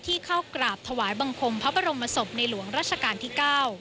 เข้ากราบถวายบังคมพระบรมศพในหลวงราชการที่๙